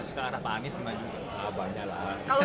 ke arah pak anies juga